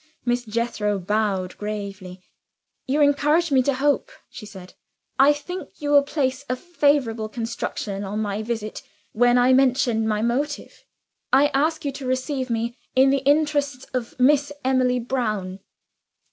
Miss Jethro bowed gravely. "You encourage me to hope," she said. "I think you will place a favorable construction on my visit when I mention my motive. I ask you to receive me, in the interests of Miss Emily Brown."